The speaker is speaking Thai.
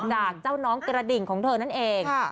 จากเจ้าน้องกระดิ่งของเธอนั่นเอง